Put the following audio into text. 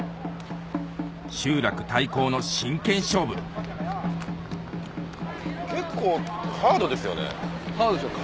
集落対抗の真剣勝負結構ハードですよね。